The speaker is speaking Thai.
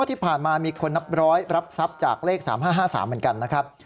ที่ผ่านมามีคนนับร้อยรับทรัพย์จากเลข๓๕๕๓เหมือนกันนะครับ